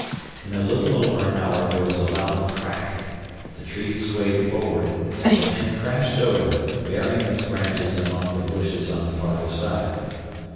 In a little over an hour there was a loud crack, the tree swayed forward, and then crashed over, burying its branches among the bushes on the farther side.